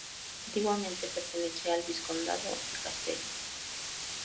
Antiguamente pertenecía al vizcondado de Castellbó.